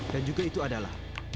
dan juga itu adalah